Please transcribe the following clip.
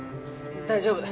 大丈夫。